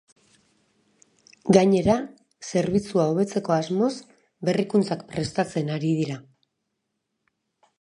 Gainera, zerbitzua hobetzeko asmoz berrikuntzak prestatzen ari dira.